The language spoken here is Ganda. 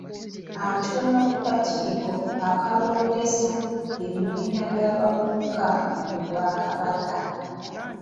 Atuula ku kakiiko akalondesa ebibiina by'abavubuka mu Bwakabaka